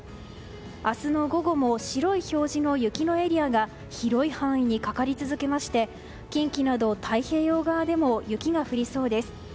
明日の午後も白い表示の雪のエリアが広い範囲にかかり続けまして近畿など太平洋側でも雪が降りそうです。